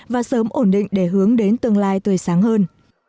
và sớm ổn định để hướng đến tương lai tươi sáng hơn